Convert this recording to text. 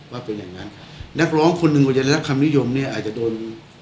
ว่าเป็นอย่างนั้นนักร้องคนหนึ่งกว่าจะได้รับคำนิยมเนี่ยอาจจะโดน